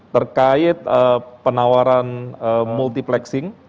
terkait penawaran multiplexing